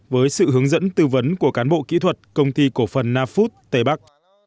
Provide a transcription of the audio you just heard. với sự hướng dẫn tư vấn của cán bộ kỹ thuật công ty cổ phần nafood tây bắc